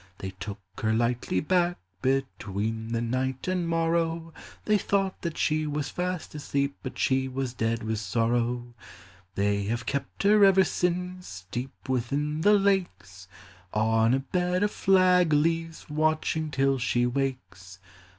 They took her lightly back, Between the night and morrow ; They thought that she was fast asleep, But she was dead with sorrow. They have kept her ever since Deep within the lakes, On a bed of flag leaves, Watching till she wakes. FAIRIES: ELVES: SPRITES.